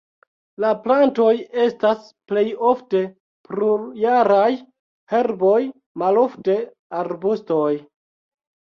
La plantoj estas plej ofte plurjaraj herboj, malofte arbustoj.